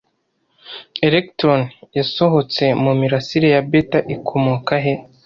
Electron yasohotse mumirasire ya beta ikomoka he